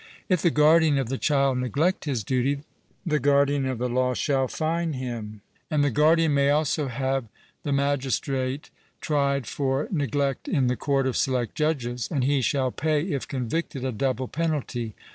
If the guardian of the child neglect his duty, the guardian of the law shall fine him; and the guardian may also have the magistrate tried for neglect in the court of select judges, and he shall pay, if convicted, a double penalty.